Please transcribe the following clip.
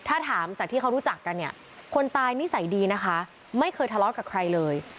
ถ้าถามจากที่เขารู้จักกันเนี่ยคนตายนิสัยดีนะคะไม่เคยทะเลาะกับใครเลย